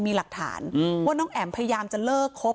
มีหลักฐานว่าน้องแอ๋มพยายามจะเลิกคบ